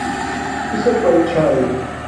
کسک باہ چھاݵ